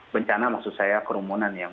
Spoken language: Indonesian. bencana maksud saya kerumunan yang